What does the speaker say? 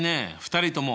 ２人とも。